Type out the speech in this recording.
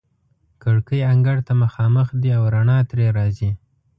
کړکۍ انګړ ته مخامخ دي او رڼا ترې راځي.